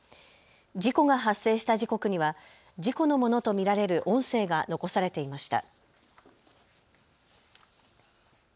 事故が発生した時刻には事故のものと見られる音声が残されていました。